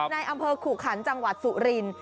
ในอำเภอขู่ขันจังหวัดสุรินทร์